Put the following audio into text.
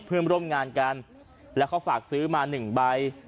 เพื่อนร่วมงานกันแล้วเขาฝากซื้อมา๑ใบ